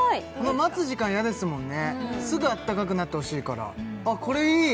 待つ時間嫌ですもんねすぐあったかくなってほしいからあっこれいい！